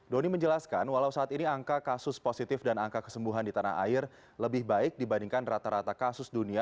doni menjelaskan walau saat ini angka kasus positif dan angka kesembuhan di tanah air lebih baik dibandingkan rata rata kasus dunia